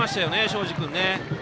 庄司君ね。